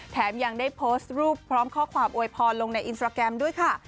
แถมยังได้โพสต์รูปพร้อมข้อความโวยพรลงในอินสตราแกรมด้วยค่ะ